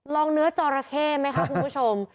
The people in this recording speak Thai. เนื้อจอราเข้ไหมคะคุณผู้ชม